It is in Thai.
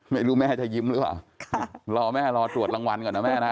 ไม่รู้แม่จะยิ้มหรือเปล่ารอแม่รอตรวจรางวัลก่อนนะแม่นะ